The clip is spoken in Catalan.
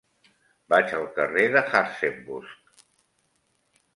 Vaig al carrer de Hartzenbusch.